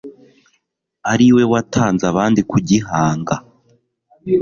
ari we watanze abandi kugihanga